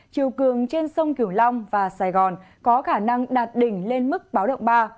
chiều cường trên sông kiểu long và sài gòn có khả năng đạt đỉnh lên mức báo động ba